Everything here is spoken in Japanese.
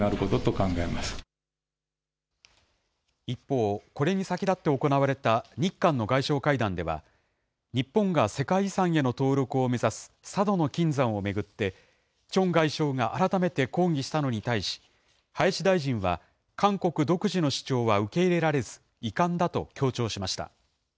一方、これに先立って行われた日韓の外相会談では、日本が世界遺産への登録を目指す佐渡島の金山を巡ってチョン外相が改めて抗議したのに対し、林大臣は韓国独自の主張は受け入れられず、遺憾だと強調しました。